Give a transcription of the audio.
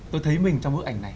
tôi thấy mình trong bức ảnh này